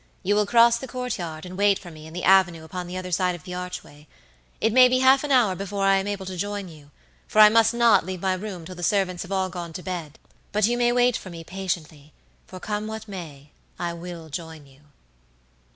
You will cross the courtyard and wait for me in the avenue upon the other side of the archway. It may be half an hour before I am able to join you, for I must not leave my room till the servants have all gone to bed, but you may wait for me patiently, for come what may I will join you."